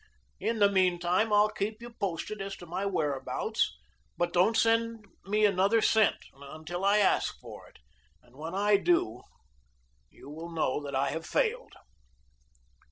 In the mean time I'll keep you posted as to my whereabouts, but don't send me another cent until I ask for it; and when I do you will know that I have failed.